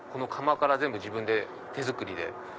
窯から全部自分で手作りで。